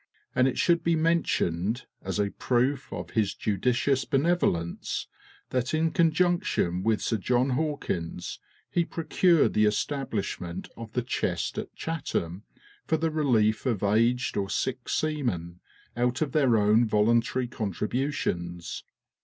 And it should be mentioned, as a proof of his judicious benevolence, that in conjunction with Sir John Hawkins, he procured the establishment of the Chest at Chatham for the relief of aged or sick seamen, out of their own voluntary contributions.